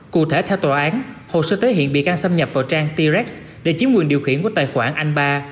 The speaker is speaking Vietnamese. cụ thể theo tòa án hồ sơ thể hiện bị can xâm nhập vào trang t rex để chiếm quyền điều khiển của tài khoản anh ba